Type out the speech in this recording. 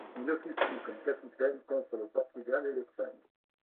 Il officie comme capitaine contre le Portugal et l'Espagne.